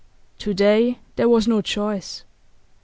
To day there was no choice.